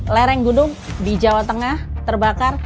lereng gunung di jawa tengah terbakar